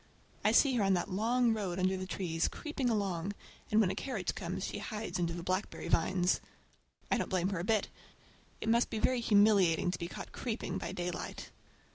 I see her on that long road under the trees, creeping along, and when a carriage comes she hides under the blackberry vines. I don't blame her a bit. It must be very humiliating to be caught creeping by daylight!